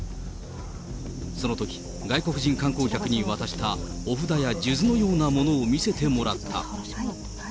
そのとき、外国人観光客に渡したお札や数珠のようなものを見せてもらった。